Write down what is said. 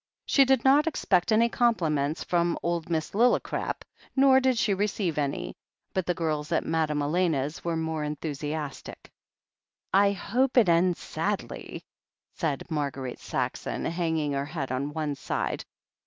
She did not expect any compliments from old Miss Lillicrap, nor did she receive any, but the girls at Madame Elena's were more enthusiastic. "I hope it ends sadly," said Marguerite Saxon, hang ing her head on one side.